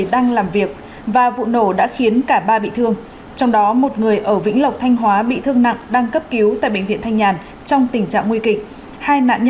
đang được cấp cứu tại bệnh viện quân y một trăm linh tám